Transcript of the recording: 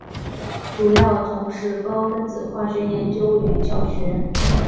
主要从事高分子化学研究与教学。